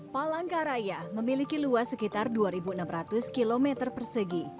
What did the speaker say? palangkaraya memiliki luas sekitar dua enam ratus km persegi